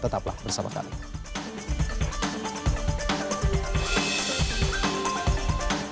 tetaplah bersama kami